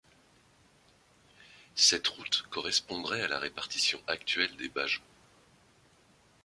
Cette route correspondrait à la répartition actuelle des Bajau.